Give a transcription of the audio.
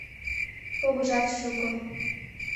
Погыжат шуко.